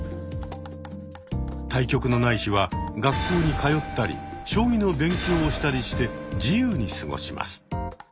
対局のない日は学校に通ったり将棋の勉強をしたりして自由に過ごします。